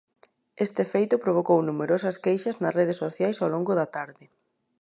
Este feito provocou numerosas queixas nas redes sociais ao longo da tarde.